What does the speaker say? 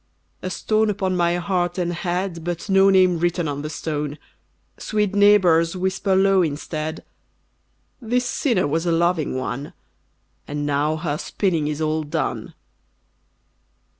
A stone upon my heart and head, But no name written on the stone! Sweet neighbours, whisper low instead, "This sinner was a loving one, And now her spinning is all done."